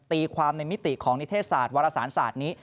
ตีความในมิติของนิเทศศาสตร์วรสารศาสตร์นี้